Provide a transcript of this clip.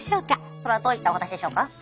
それはどういったお話でしょうか？